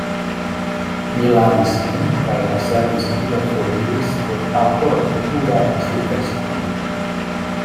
Mi lavis min kaj la servistino foriris por alporti purajn subvestojn.